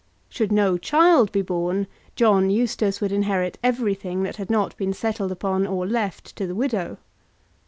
Should no child be born, John Eustace would inherit everything that had not been settled upon or left to the widow.